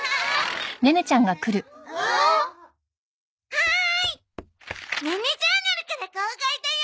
はーい！『ネネジャーナル』から号外だよ！